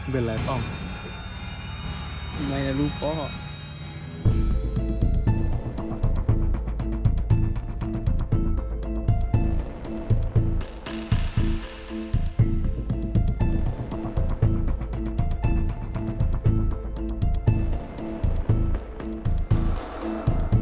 เป็นไรป่าวทำไมล่ะลูกป่าว